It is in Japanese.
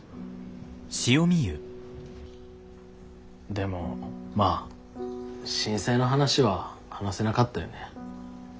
でもまあ震災の話は話せなかったよね。